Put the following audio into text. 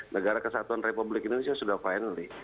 negara kesatuan republik indonesia sudah finaly